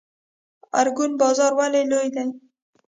ارګون بازار ولې لوی دی؟